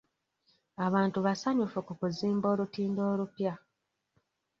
Abantu basanyufu ku kuzimba olutindo olupya.